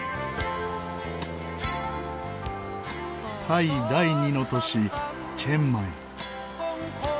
タイ第二の都市チェンマイ。